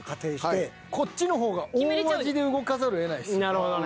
なるほどね。